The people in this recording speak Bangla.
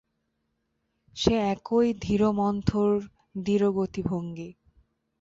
সেই একই ধীরমন্থর দৃঢ় গতিভঙ্গি।